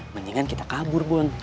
mendingan kita kabur bun